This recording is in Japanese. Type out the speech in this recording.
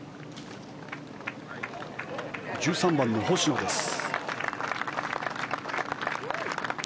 １３番の星野です。